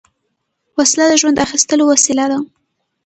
وسله د ژوند اخیستو وسیله ده